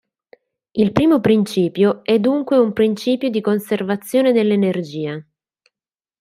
Il primo principio è dunque un principio di conservazione dell'energia.